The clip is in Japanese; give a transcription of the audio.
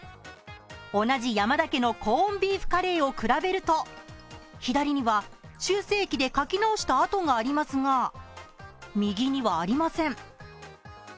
同じ山田家のコーンビーフカレーを比べると左には修正液で書き直したあとがありますが右にはありません。